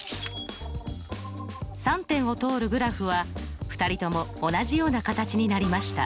３点を通るグラフは２人とも同じような形になりました。